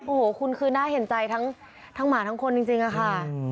โอ้โหคุณคือน่าเห็นใจทั้งหมาทั้งคนจริงอะค่ะ